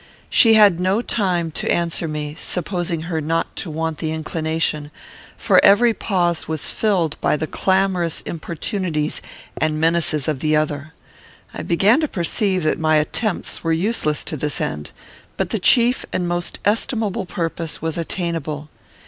She had no time to answer me, supposing her not to want the inclination, for every pause was filled by the clamorous importunities and menaces of the other. I began to perceive that my attempts were useless to this end, but the chief and most estimable purpose was attainable.